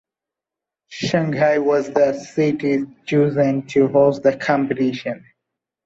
Shanghai was the city chosen to host the competition.